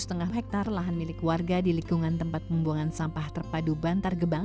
satu lima hektare lahan milik warga di lingkungan tempat pembuangan sampah terpadu bantar gebang